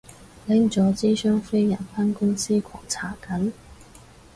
拎咗支雙飛人返公司狂搽緊